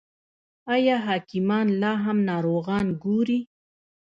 آیا حکیمان لا هم ناروغان ګوري؟